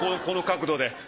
この角度で。